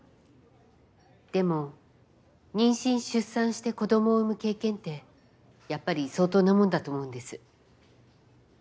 でも妊娠出産して子供を産む経験ってやっぱり相当なものだと思うんです。